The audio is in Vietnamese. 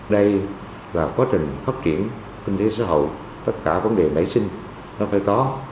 đây là quá trình phát triển kinh tế xã hội tất cả vấn đề nảy sinh nó phải có